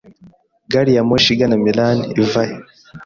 Gari ya moshi igana Milan ivahe?